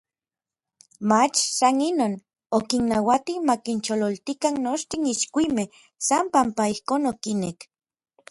mach san inon, okinnauati makinchololtikan nochtin itskuimej san panpa ijkon okinek.